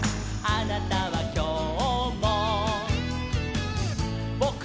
「あなたはきょうも」